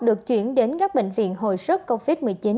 được chuyển đến các bệnh viện hồi sức covid một mươi chín